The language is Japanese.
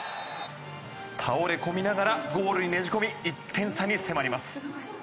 倒れ込みながらゴールにねじ込み１点差に迫ります。